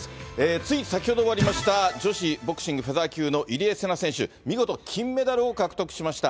つい先ほど終わりました、女子ボクシングフェザー級の入江聖奈選手、見事、金メダルを獲得しました。